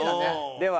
では。